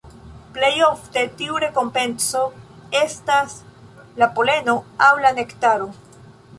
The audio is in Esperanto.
Plej ofte tiu rekompenco estas la poleno aŭ la nektaro.